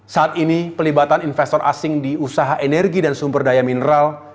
saat ini pelibatan investor asing di usaha energi dan sumber daya mineral